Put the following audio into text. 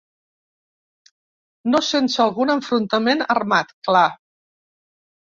No sense algun enfrontament armat, clar.